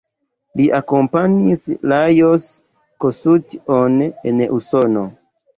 Li akompanis Lajos Kossuth-on en Usono.